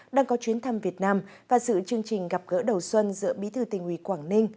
đang có chuyến thăm việt nam và dự chương trình gặp gỡ đầu xuân giữa bí thư tình ủy quảng ninh